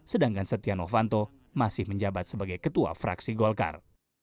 sedangkan setia novanto masih menjabat sebagai ketua fraksi golkar